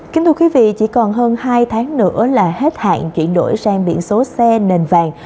kính thưa quý vị chỉ còn hơn hai tháng nữa là hết hạn chuyển đổi sang biển số xe nền vàng